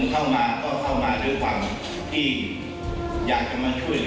ให้บ้านเหมือนมันก้าวประตานคนไม่ต้องการ